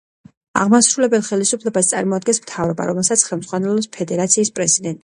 აღმასრულებელ ხელისუფლებას წარმოადგენს მთავრობა, რომელსაც ხელმძღვანელობს ფედერაციის პრეზიდენტი.